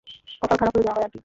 কপাল খারাপ হলে যা হয় আর কি!